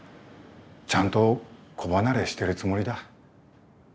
ちゃんと子離れしてるつもりだ。